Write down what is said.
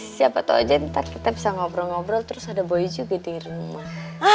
siapa tau aja ntar kita bisa ngobrol ngobrol terus ada boy juga di rumah